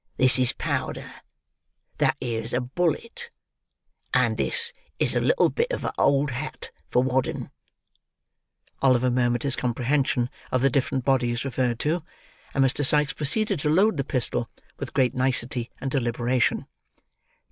"This is powder; that 'ere's a bullet; and this is a little bit of a old hat for waddin'." Oliver murmured his comprehension of the different bodies referred to; and Mr. Sikes proceeded to load the pistol, with great nicety and deliberation.